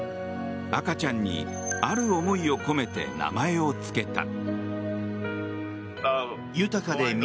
赤ちゃんにある思いを込めて名前をつけた。